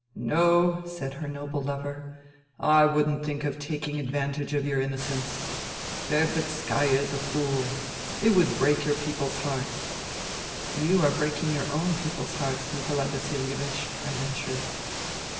" No," said her noble lover, " I wouldn't think of taking advantage of your innocence. Verbitskaya is a fool. It would break your people's hearts." " You are breaking j^our own people's hearts, Nikolai Vasilievich," I ventured.